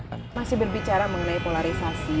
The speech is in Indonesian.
masih berbicara mengenai polarisasi